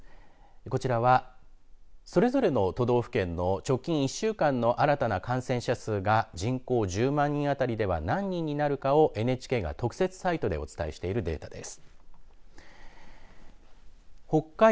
こちらはそれぞれの都道府県の直近１週間の新たな感染者数が人口１０万人当たりでは何人になるかをＮＨＫが特設サイトでお伝えしているデータです。